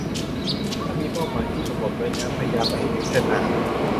ถ้ามีเป้าหมายที่กำหนดไว้แล้วพยายามไปให้ถึงเถอะน่า